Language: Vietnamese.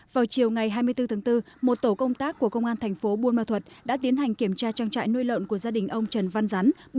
vào chiều ngày hai mươi bốn tháng bốn một tổ công tác của công an thành phố buôn ma thuật đã tiến hành kiểm tra trang trại nuôi lợn của gia đình ông trần văn rắn